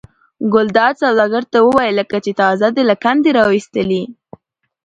ګلداد سوداګر ته وویل لکه چې تازه دې له کندې را ایستلي.